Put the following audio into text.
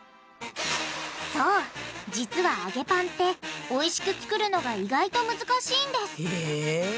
そう実は揚げパンっておいしく作るのが意外と難しいんですへぇ。